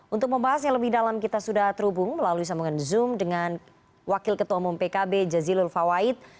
untuk membahas yang lebih dalam kita sudah terhubung melalui sambungan zoom dengan wakil ketua umum pkb jazilul fawait